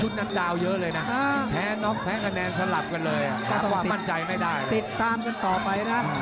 ชุดนั้นดาวเยอะเลยนะแพ้น้องแพ้คะแนนสลับกันเลยอ่ะถ้าต้องติดตามกันต่อไปนะ